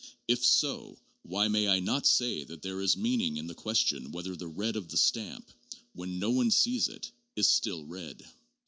If so, why may I not say that there is meaning in the question whether the red of the stamp, when no one sees it, is still red?